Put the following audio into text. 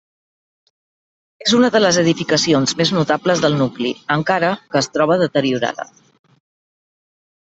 És una de les edificacions més notables del nucli, encara que es troba deteriorada.